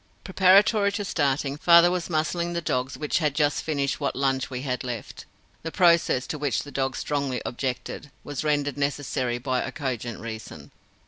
Preparatory to starting, father was muzzling the dogs which had just finished what lunch we had left. This process, to which the dogs strongly objected, was rendered necessary by a cogent reason.